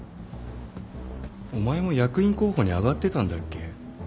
お前も役員候補に挙がってたんだっけ？